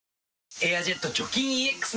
「エアジェット除菌ＥＸ」